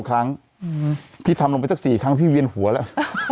ครั้งพี่ทำลงไปสัก๔ครั้งพี่เวียนหัวแล้ว